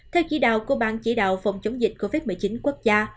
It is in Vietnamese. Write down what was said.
theo chỉ đạo của ban chỉ đạo phòng chống dịch covid một mươi chín quốc gia